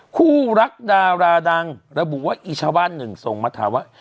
คู่รักดาราดังระบุว่าอีชาวบ้านหนึ่งส่งมาถามว่า